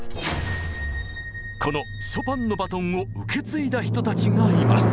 このショパンのバトンを受け継いだ人たちがいます。